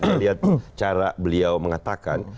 dari cara beliau mengatakan